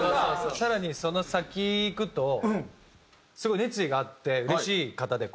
更にその先いくとすごい熱意があってうれしい方でこう。